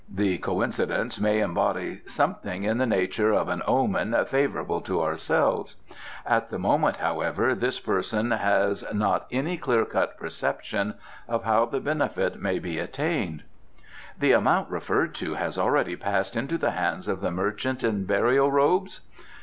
The coincidence may embody something in the nature of an omen favourable to ourselves. At the moment, however, this person has not any clear cut perception of how the benefit may be attained." "The amount referred to has already passed into the hands of the merchant in burial robes?"